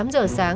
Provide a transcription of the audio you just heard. tám giờ sáng